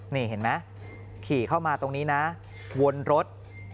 นี่เห็นไหมขี่เข้ามาตรงนี้นะวนรถ